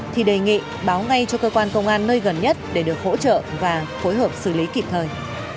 thì đề nghị báo ngay cho cơ quan công an nơi gần nhất để được hỗ trợ và phối hợp xử lý kịp thời